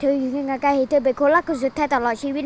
เธออยู่อยู่ในกลางกายให้เธอเป็นคนรักของสุดท้ายตลอดชีวิต